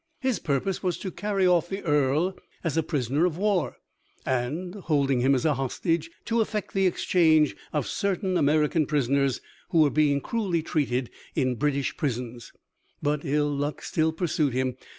His purpose was to carry off the Earl as a prisoner of war, and, holding him as a hostage, to effect the exchange of certain American prisoners who were being cruelly treated in British prisons. But ill luck still pursued him.